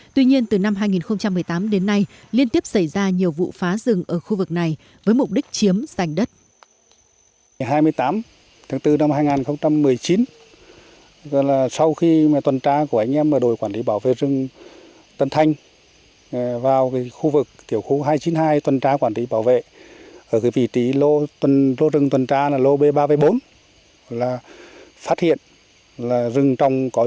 tuy nhiên từ năm hai nghìn một mươi tám đến nay liên tiếp xảy ra nhiều vụ phá rừng ở khu vực này với mục đích chiếm sành đất